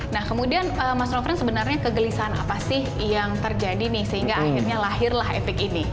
nah kemudian mas rofran sebenarnya kegelisahan apa sih yang terjadi nih sehingga akhirnya lahirlah epic ini